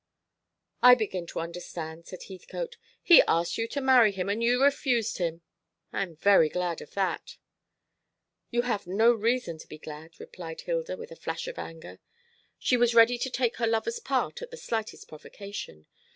"I begin to understand," said Heathcote. "He asked you to marry him, and you refused him. I am very glad of that." "You have no reason to be glad," replied Hilda, with a flash of anger. She was ready to take her lover's part at the slightest provocation.